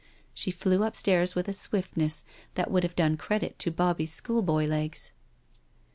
She flew upstairs with a swiftness that would have' done credit to Bobby's schoolboy legs.